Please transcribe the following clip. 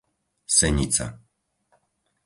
Senica